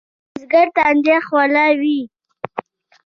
د بزګر تندی خوله وي.